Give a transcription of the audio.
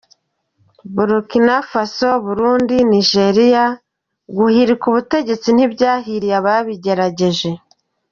Burukina Faso, Burundi, Niger: Guhirika ubutegetsi ntibyahiriye ababigerageje.